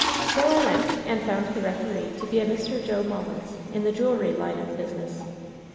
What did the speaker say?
So I went, and found the referee to be a Mr. Joe Mullins, in the jewelry line of business."